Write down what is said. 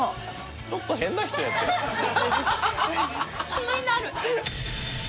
気になる。